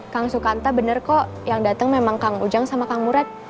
kang sukanta bener kok yang dateng memang kang ujang sama kang murad